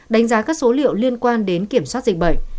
đánh giá các số liệu liên quan đến kiểm soát dịch bệnh